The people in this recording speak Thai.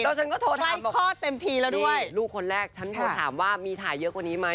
แล้วฉันก็โทรถามว่าลูกคนแรกฉันโทรถามว่ามีถ่ายเยอะกว่านี้ไหม